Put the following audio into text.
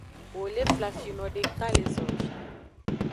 Wo le flafino deka le zovi.